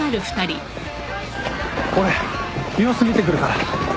俺様子見てくるから。